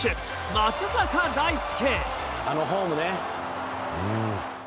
松坂大輔。